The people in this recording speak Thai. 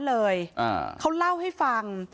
พนักงานในร้าน